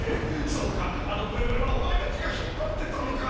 そうかあのブルブルはお前たちが引っぱってたのか！